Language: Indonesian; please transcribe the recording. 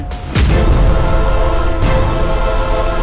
tante aku mau nikah sama om lemos